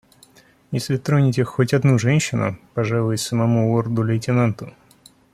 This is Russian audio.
Если тронете хоть одну женщину, пожалуюсь самому лорду-лейтенанту.